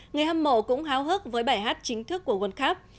người hâm mộ cũng háo hức với bài hát chính thức của world cup